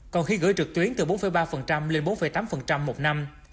còn khi gửi trực tuyến từ bốn ba phần trăm lên bốn tám phần trăm một năm